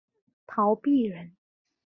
陶弼人。